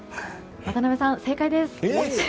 渡辺さん、正解です。